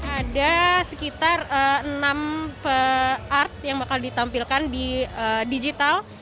ada sekitar enam art yang bakal ditampilkan di digital